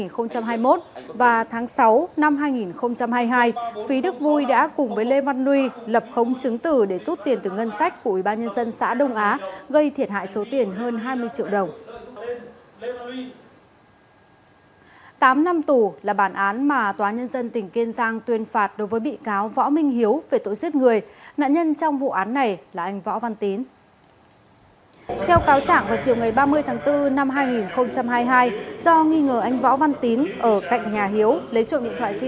ngoài ra trong các tháng một mươi một năm hai nghìn hai mươi một và tháng sáu năm hai nghìn hai mươi hai phí đức vui đã cùng với lê văn lui